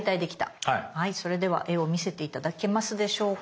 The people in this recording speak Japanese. それでは絵を見せて頂けますでしょうか。